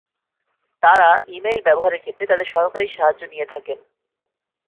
তাঁরা email ব্যবহারের ক্ষেত্রে তাঁদের সহকারীর সাহায্য নিয়ে থাকেন।